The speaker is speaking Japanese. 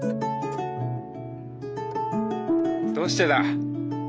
どうしてだ？